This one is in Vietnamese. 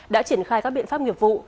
đã triển khai các biện pháp nghiệp vụ